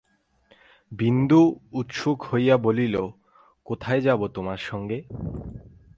বিন্দু উৎসুক হইয়া বলিল, কোথায় যাব তোমার সঙ্গে?